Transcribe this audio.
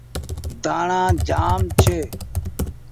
ڌڻآ جآم ڇي۔